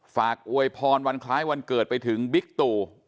อวยพรวันคล้ายวันเกิดไปถึงบิ๊กตู่